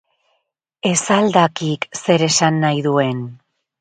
Ez al dakik zer esan nahi duen?